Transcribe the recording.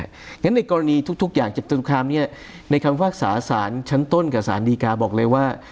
แล้วในกรณีทุกอย่างเจตุคคลามเนี่ยในคำว่าศาสตร์ชั้นต้นกับสาหันดีการ์บอกเลยว่า